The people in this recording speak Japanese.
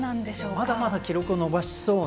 まだまだ記録を伸ばしそう。